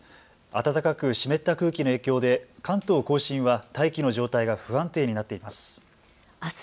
暖かく湿った空気の影響で関東甲信は大気の状態が不安定になっています。